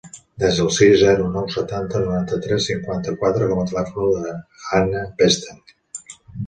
Desa el sis, zero, nou, setanta, noranta-tres, cinquanta-quatre com a telèfon de la Hanna Bestard.